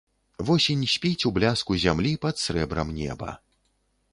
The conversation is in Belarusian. Восень спіць у бляску зямлі пад срэбрам неба.